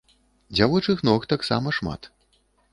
Дзявочых ног таксама шмат.